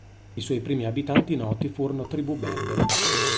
I suoi primi abitanti noti furono tribù berbere.